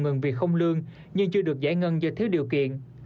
ngừng việc không lương nhưng chưa được giải ngân do thiếu điều kiện